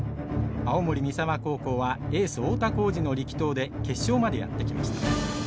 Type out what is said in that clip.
青森三沢高校はエース太田幸司の力投で決勝までやって来ました。